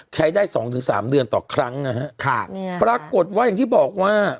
ใช้ได้๒๓เดือนต่อครั้งนะครับปรากฏว่าอย่างที่บอกว่า